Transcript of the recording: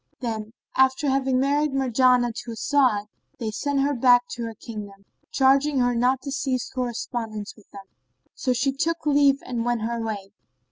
Then, after having married Marjanah to As'ad, they sent her back to her kingdom, charging her not to cease correspondence with them; so she took leave and went her way.